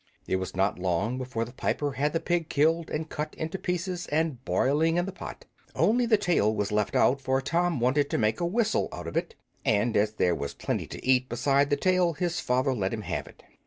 It was not long before the piper had the pig killed and cut into pieces and boiling in the pot. Only the tail was left out, for Tom wanted to make a whistle of it, and as there was plenty to eat besides the tail his father let him have it.